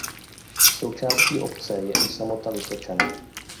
Součástí obce je i samota Vysočany.